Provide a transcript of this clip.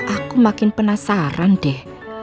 aku makin penasaran deh